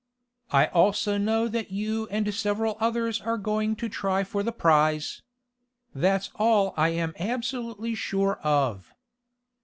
I also know that you and several others are going to try for the prize. That's all I am absolutely sure of.